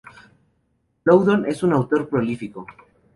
Loudon es un autor prolífico.